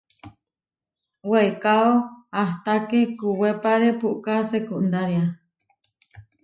Weikáo ahtaké kuwépare puʼká sekundaria.